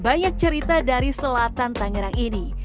banyak cerita dari selatan tangerang ini